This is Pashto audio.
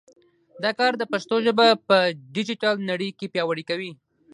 دا کار د پښتو ژبه په ډیجیټل نړۍ کې پیاوړې کوي.